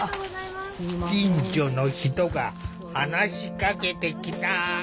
近所の人が話しかけてきた。